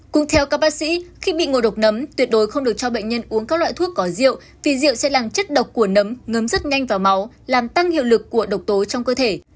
cũng theo các bác sĩ khi bị ngộ độc nấm tuyệt đối không được cho bệnh nhân uống các loại thuốc có rượu vì rượu sẽ làm chất độc của nấm ngấm rất nhanh vào máu làm tăng hiệu lực của độc tố trong cơ thể